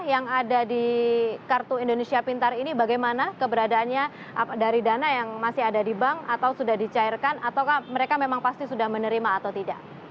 yang ada di kartu indonesia pintar ini bagaimana keberadaannya dari dana yang masih ada di bank atau sudah dicairkan atau mereka memang pasti sudah menerima atau tidak